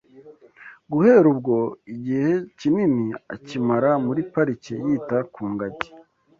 Guhera ubwo, igihe ke kinini akakimara muri pariki yita ku ngagi